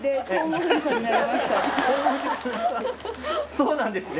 そうなんですね。